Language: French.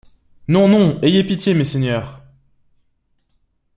Non! non ! ayez pitié, messeigneurs !